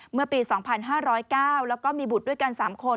เมื่อปี๒๕๐๙แล้วก็มีบุตรด้วยกัน๓คน